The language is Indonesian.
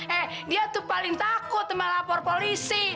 eh dia tuh paling takut sama lapor polisi